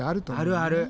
あるある。